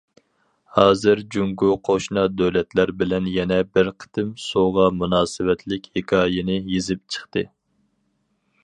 ھازىر جۇڭگو قوشنا دۆلەتلەر بىلەن يەنە بىر قېتىم سۇغا مۇناسىۋەتلىك ھېكايىنى يېزىپ چىقتى.